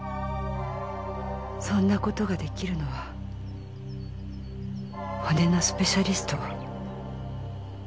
そんな事が出来るのは骨のスペシャリスト。